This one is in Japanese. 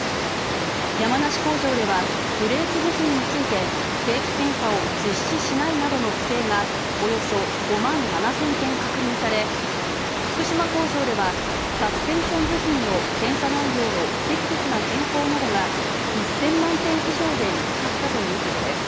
山梨工場では、定期検査を実施しないなどの不正が、およそ５万７０００件確認され福島工場では、サスペンション部品の検査内容の不適切な変更などが、１０００万点以上で見つかったということです。